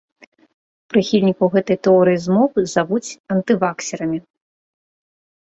Прыхільнікаў гэтай тэорыі змовы завуць антываксерамі.